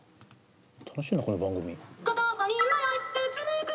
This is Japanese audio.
楽しいなこの番組。